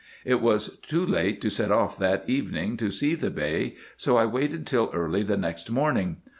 It was too late to set off that evening to see the Bey, so I waited till early the next morning.